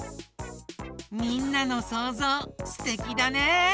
みんなのそうぞうすてきだね！